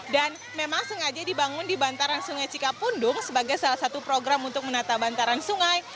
dan memang sengaja dibangun di bantaran sungai cikapundung sebagai salah satu program untuk menata bantaran sungai